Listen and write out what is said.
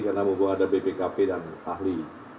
karena ada bpkp dan ahli